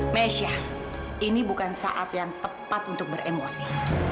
mesha ini bukan saat yang tepat untuk beremosi